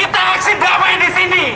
kita aksi damai di sini